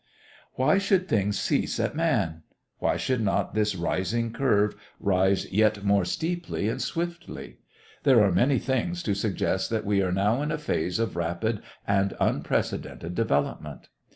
Why should things cease at man? Why should not this rising curve rise yet more steeply and swiftly? There are many things to suggest that we are now in a phase of rapid and unprecedented development.